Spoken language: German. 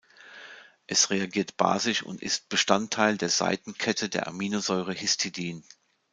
Es reagiert basisch und ist Bestandteil der Seitenkette der Aminosäure Histidin.